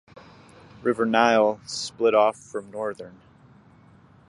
River Nile split off from Northern.